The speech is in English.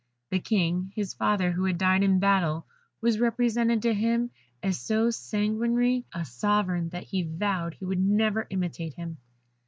The King, his father, who had died in battle, was represented to him as so sanguinary a sovereign that he vowed he would never imitate him.